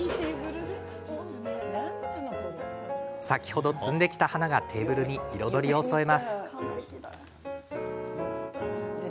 先ほど摘んできた花がテーブルに彩りを添えます。